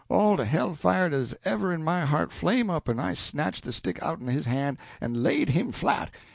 All de hell fire dat 'uz ever in my heart flame' up, en I snatch de stick outen his han' en laid him flat.